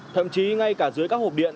thậm chí ngay cả dưới các hộp điện